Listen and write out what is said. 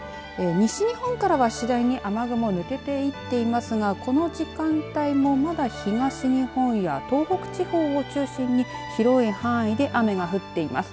西日本からは次第に雨雲抜けていっていますがこの時間帯も、まだ東日本や東北地方を中心に広い範囲で雨が降っています。